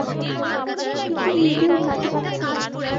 কিন্তু এই ঈদেও মুক্তি পাচ্ছে না।